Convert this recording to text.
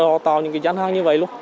hỗ trợ họ tạo những dán hàng như vậy lúc